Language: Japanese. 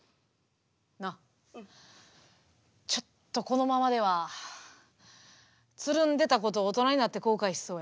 なあちょっとこのままではつるんでたこと大人になって後悔しそうや。